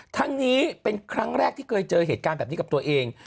ทั้งนี้เป็นครั้งแรกที่เคยเจอเหตุการณ์แบบนี้กับตัวเอง